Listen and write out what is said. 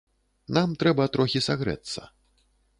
Нам трэба трохі сагрэцца.